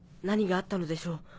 何があったのでしょう？